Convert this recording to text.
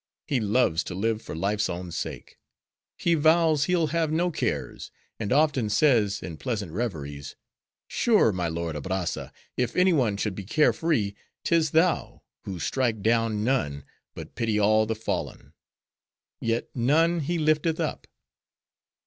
He loves to live for life's own sake. He vows he'll have no cares; and often says, in pleasant reveries,— 'Sure, my lord Abrazza, if any one should be care free, 'tis thou; who strike down none, but pity all the fallen!' Yet none he lifteth up."